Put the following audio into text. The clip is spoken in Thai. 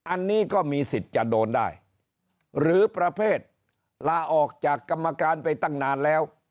อันนี้ก็มีสิทธิ์จะโดนได้หรือประเภทลาออกจากกรรมการไปตั้งนานแล้ว